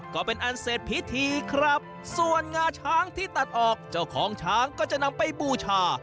ก็เป็นอันเสร็จพิธีครับส่วนงาช้างที่ตัดออกเจ้าของช้างก็จะนำไปบูชา